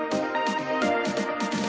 risiko kan agak kecil